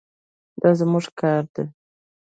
دا زموږ کار دی.